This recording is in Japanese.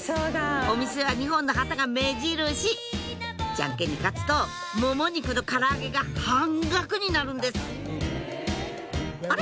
お店は２本の旗が目印ジャンケンに勝つともも肉のから揚げが半額になるんですあれ？